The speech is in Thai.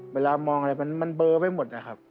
เวลามองอะไรมันเบอร์ไปหมดนะครับ